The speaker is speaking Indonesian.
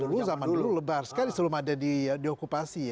dulu zaman dulu lebar sekali sebelum ada diokupasi ya